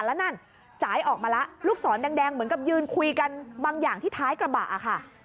แล้วนั่นจ่ายออกมาแล้วลูกศรแดงเหมือนกับยืนคุยกันบางอย่างที่ท้ายกระบะค่ะ